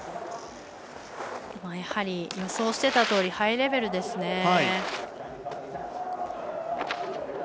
やはり予想していたとおりハイレベルですね。